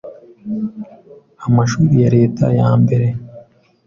amashuri ya leta ya mbere